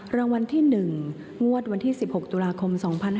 รางวัลที่๑งวดวันที่๑๖ตุลาคม๒๕๖๒